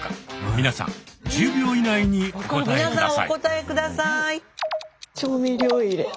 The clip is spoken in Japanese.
みなさん１０秒以内にお答え下さい。